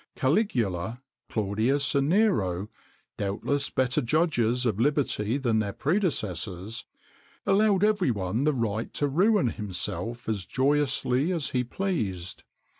[XXIX 90] Caligula, Claudius, and Nero doubtless better judges of liberty than their predecessors allowed every one the right to ruin himself as joyously as he pleased.